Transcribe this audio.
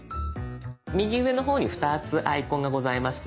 右上の方に２つアイコンがございますよね。